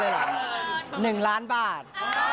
พีพีบอกผู้จัดการ